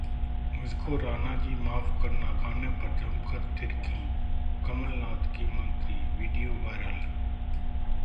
'मुझको राणा जी माफ करना' गाने पर जमकर थिरकीं कमलनाथ की मंत्री, वीडियो वायरल